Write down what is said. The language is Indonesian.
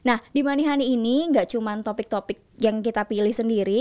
nah di money money ini gak cuma topik topik yang kita pilih sendiri